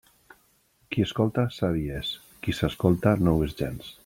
Qui escolta, savi és; qui s'escolta, no ho és gens.